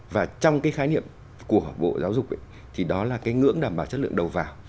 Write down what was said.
và trong cái khái niệm của bộ giáo dục thì đó là cái ngưỡng đảm bảo chất lượng đầu vào